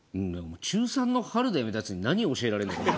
中３の春で辞めたヤツに何を教えられるんだよ。